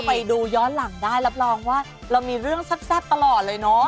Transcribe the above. ไปดูย้อนหลังได้รับรองว่าเรามีเรื่องแซ่บตลอดเลยเนอะ